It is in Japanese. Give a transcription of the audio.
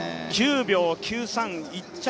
９秒９３１着